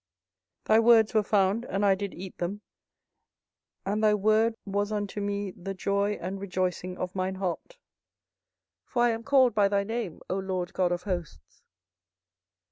24:015:016 Thy words were found, and I did eat them; and thy word was unto me the joy and rejoicing of mine heart: for I am called by thy name, O LORD God of hosts.